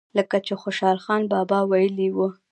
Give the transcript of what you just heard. لکه چې خوشحال بابا وئيلي وو۔